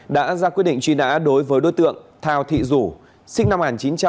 đã ra quyết định truy nã đối với đối tượng thao thị dũ sinh năm một nghìn chín trăm bảy mươi bảy